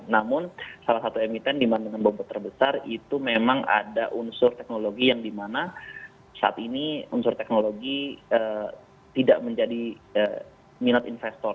namun salah satu emiten di mana dengan bongkok terbesar itu memang ada unsur teknologi yang di mana saat ini unsur teknologi tidak menjadi minat investor